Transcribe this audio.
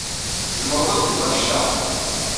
Tzemreḍ ad d-tgeḍ anect-a?